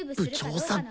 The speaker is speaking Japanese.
部長さん